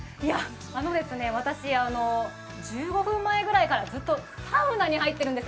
私、１５分前くらいからずっとサウナに入っているんです。